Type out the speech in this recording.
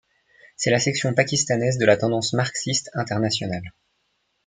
C’est la section pakistanaise de la Tendance marxiste internationale.